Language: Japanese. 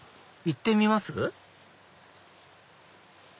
行ってみます？